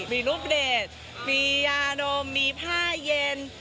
มีรูปเดทมียานมมีผ้าเย็น